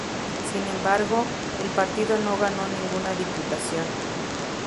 Sin embargo, el partido no ganó ninguna diputación.